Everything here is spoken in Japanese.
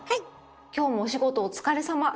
今日もお仕事お疲れさま。